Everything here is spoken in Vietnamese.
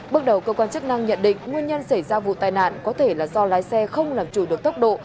bước đầu cơ quan chức năng nhận định nguyên nhân xảy ra vụ tai nạn có thể là do lái xe không làm chủ được tốc độ